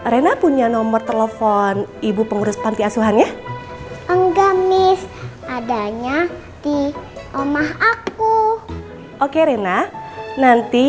rena punya nomor telepon ibu pengurus pantai asuhan ya enggak miss adanya di omah aku oke rena nanti